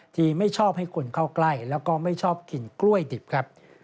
ที่ไม่ชอบให้คนเข้าใกล้แล้วก็ไม่ชอบกินกล้วยดิบครับ